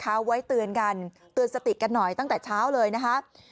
เอาไว้เตือนกันเตือนสติกันหน่อยตั้งแต่เช้าเลยนะคะ